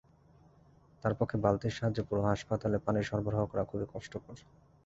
তাঁর পক্ষে বালতির সাহায্যে পুরো হাসপাতালে পানি সরবরাহ করা খুবই কষ্টকর।